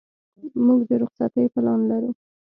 موږ د رخصتۍ پلان لرو.